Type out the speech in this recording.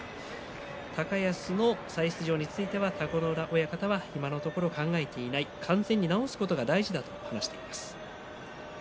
高安の再出場については田子ノ浦親方は今のところ考えていない完全に治すことが大事だと話しています。